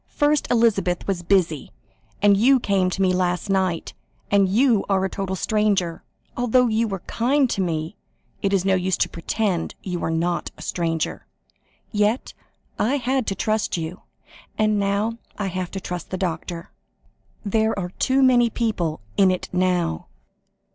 "First Elizabeth was busy, and you came to me last night, and you are a total stranger. Though you were so kind to me, it is no use to pretend you are not a stranger. Yet I had to trust you, and now I have to trust the doctor. There are too many people in it now."